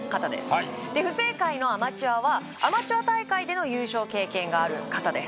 はい不正解のアマチュアはアマチュア大会での優勝経験がある方です